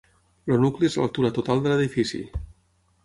El nucli és l'altura total de l'edifici.